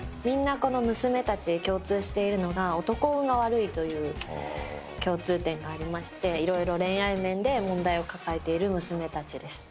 みんなこの娘たち共通しているのが男運が悪いという共通点がありまして色々恋愛面で問題を抱えている娘たちです。